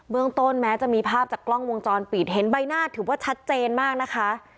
เมืองต้นแม้จะมีภาพจากกล้องวงจรปิดเห็นใบหน้าถือว่าชัดเจนมากนะคะ